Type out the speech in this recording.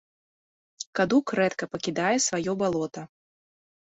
Кадук рэдка пакідае сваё балота.